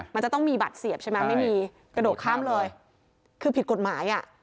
มันจะต้องมีบัตรเสียบใช่ไหมไม่มีกระโดดข้ามเลยคือผิดกฎหมายอ่ะ